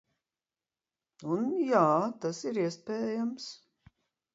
Un, jā, tas ir iespējams.